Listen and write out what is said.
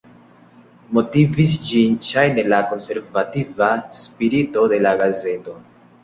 Motivis ĝin ŝajne la konservativa spirito de la gazeto.